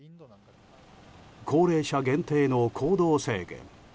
高齢者限定の行動制限。